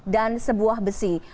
dan sebuah besi